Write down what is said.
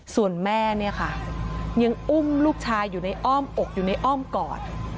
ส่วนแม่เนี่ยค่ะยังอุ้มลูกชายอยู่ในอ้อมอกอยู่ในอ้อมกอด